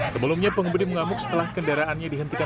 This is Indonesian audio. sebelumnya pengemudi mengamuk setelah kendaraannya dihentikan